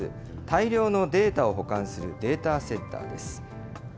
大量のデータを保管するデータセンターです。